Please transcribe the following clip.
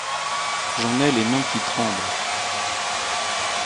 J’en ai les mains qui tremblent.